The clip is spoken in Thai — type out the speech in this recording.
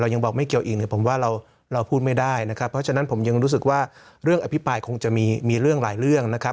ยังบอกไม่เกี่ยวอีกเนี่ยผมว่าเราพูดไม่ได้นะครับเพราะฉะนั้นผมยังรู้สึกว่าเรื่องอภิปรายคงจะมีเรื่องหลายเรื่องนะครับ